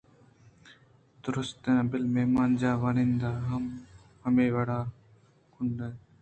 دُرٛستاں بل مہمان جاہ ءِ واہُند ہم ہمے وڑ گوٛنڈوئے اَت